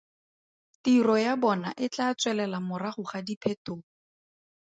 Tiro ya bona e tla tswelela morago ga diphetogo.